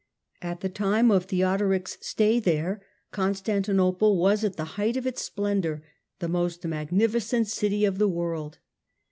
At the time of Theodoric's stay there, Constantinople was at the height of its splendour — the most magnifi cent city of the world.